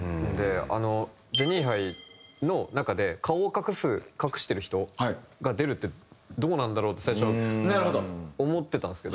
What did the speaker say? ジェニーハイの中で顔を隠す隠してる人が出るってどうなんだろう？って最初思ってたんですけど。